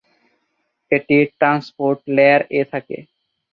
এটি transport layer এ থাকে।